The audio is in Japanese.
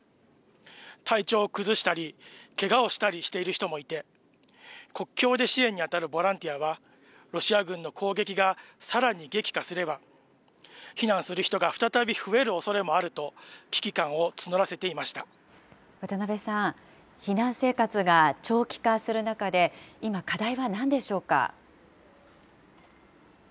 体調を崩したり、けがをしたりしている人もいて、国境で支援に当たるボランティアは、ロシア軍の攻撃がさらに激化すれば、避難する人が再び増えるおそれもあると、危機感を募らせていまし渡辺さん、避難生活が長期化する中で、今、課題はなんでしょうか。